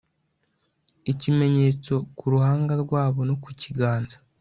ikimenyetso mu ruhanga rwabo no ku kiganza